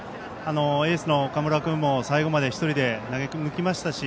エースの岡村君も最後まで１人で投げ抜きましたし。